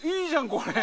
これ。